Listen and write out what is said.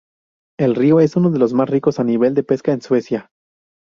El río es uno de los más ricos a nivel de pesca en Suecia.